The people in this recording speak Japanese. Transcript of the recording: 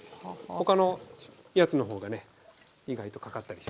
他のやつの方がね意外とかかったりします。